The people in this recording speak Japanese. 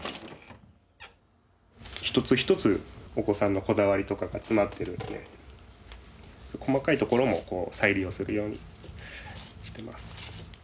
ひとつひとつお子さんのこだわりとかが詰まってるんで細かいところも再利用するようにしてます。